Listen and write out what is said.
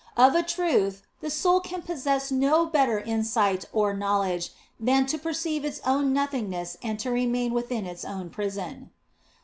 Of a truth, the soul can possess no better insight or knowledge than to perceive its own nothingness and to remain within its own prison.